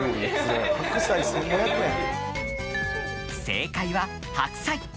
正解は白菜！